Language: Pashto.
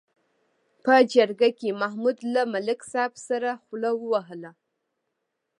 په جرګه کې محمود له ملک صاحب سره خوله ووهله.